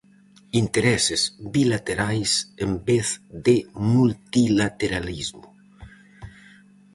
Intereses bilaterais en vez de multilateralismo.